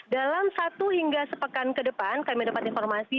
dalam satu hingga sepekan ke depan kami dapat informasi